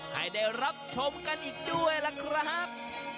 ให้ได้รับชมกันอีกด้วยล่ะครับ